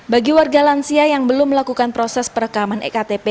bagi warga lansia yang belum melakukan proses perekaman ektp